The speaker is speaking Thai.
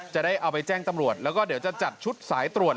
จะได้เอาไปแจ้งตำรวจแล้วก็เดี๋ยวจะจัดชุดสายตรวจ